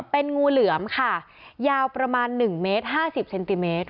เป็นงูเหลือมค่ะยาวประมาณ๑เมตร๕๐เซนติเมตร